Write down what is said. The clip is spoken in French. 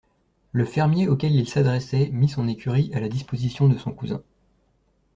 Le fermier auquel il s'adressait mit son écurie à la disposition de son cousin.